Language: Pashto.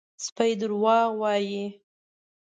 _سپی دروغ وايي!